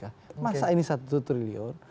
masa ini satu triliun